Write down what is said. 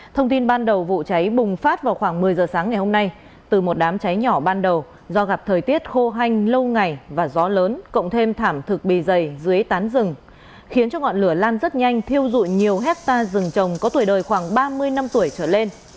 thông tin ban đầu vụ cháy bùng phát vào khoảng một mươi giờ sáng ngày hôm nay từ một đám cháy nhỏ ban đầu do gặp thời tiết khô hanh lâu ngày và gió lớn cộng thêm thảm thực bì dày dưới tán rừng khiến cho ngọn lửa lan rất nhanh thiêu dụi nhiều hectare rừng trồng có tuổi đời khoảng ba mươi năm tuổi trở lên